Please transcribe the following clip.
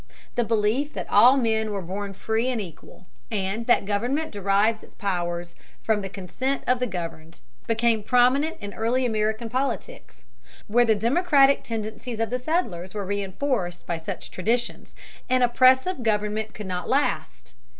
The belief that all men were born free and equal, and that government derives its just powers from the consent of the governed, became prominent in early American politics. Where the democratic tendencies of the settlers were reinforced by such traditions, an oppressive government could not last.